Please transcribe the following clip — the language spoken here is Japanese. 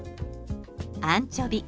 アンチョビ。